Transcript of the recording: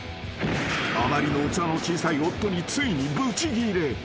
［あまりの器の小さい夫についにぶちギレ］